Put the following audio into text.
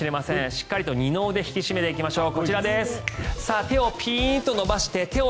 しっかりと二の腕を引き締めていきましょう。